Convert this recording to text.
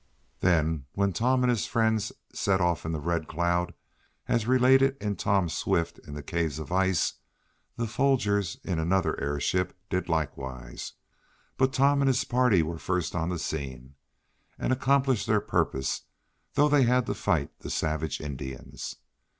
Then, when Tom and his friends set off in the Red Cloud, as related in "Tom Swift in the Caves of Ice," the Fogers, in another airship, did likewise. But Tom and his party were first on the scene, and accomplished their purpose, though they had to fight the savage Indians.